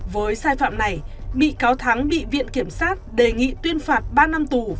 với sai phạm này bị cáo thắng bị viện kiểm soát đề nghị tuyên phạt ba năm tuổi